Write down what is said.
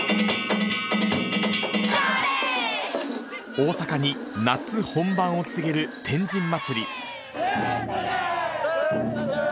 大阪に夏本番を告げる天神祭。